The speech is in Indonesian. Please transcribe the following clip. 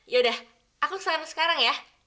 yaudah aku sampai sekarang ya